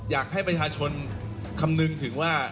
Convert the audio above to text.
อยากให้ประชาชนคำนึงถึงว่า